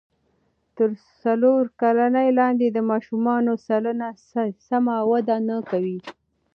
تر څلور کلنۍ لاندې د ماشومانو سلنه سمه وده نه کوي.